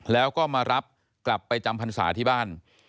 แล้วก็มารับกลับไปจำพรรษาที่บ้าน